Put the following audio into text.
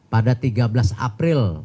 pada tiga belas april